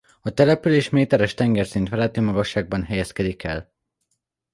A település méteres tengerszint feletti magasságban helyezkedik el.